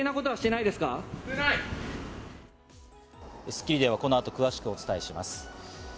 『スッキリ』ではこの後、詳しくお伝えします。